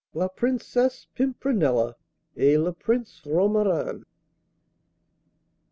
La Princesse Pimprenella et Le Prince Romarin.